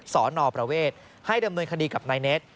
สนประเวทให้ดำเนินคดีกับนายเน็ต